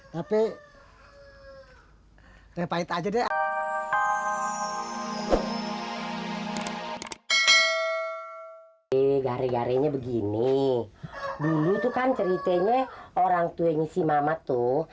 tapi repait aja deh eh gare garenya begini dulu itu kan ceritanya orangtuanya si mama tuh